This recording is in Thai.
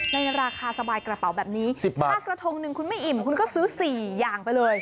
ในราคาสบายกระเป๋าแบบนี้๑๐บาทถ้ากระทงหนึ่งคุณไม่อิ่มคุณก็ซื้อ๔อย่างไปเลย